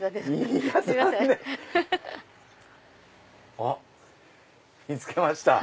あっ見つけました。